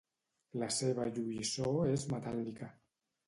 La seva lluïssor és metàl·lica.